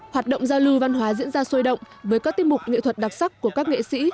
hoạt động giao lưu văn hóa diễn ra sôi động với các tiết mục nghệ thuật đặc sắc của các nghệ sĩ